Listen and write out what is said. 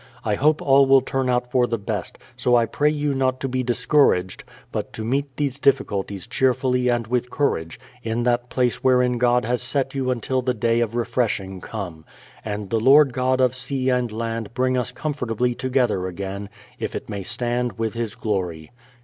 I hope all will turn out for the best, so I pray you THE PLYMOUTH SETTLE:MENT 105 not to be discouraged, but to meet these difficulties cheerfully and with courage, in that place wherein God has set you until the day of refreshing come. And the Lord God of sea and land bring us comfortably together again, if it may stand with His glory.